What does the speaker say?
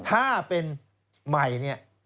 ถ้าเป็นใหม่เนี่ย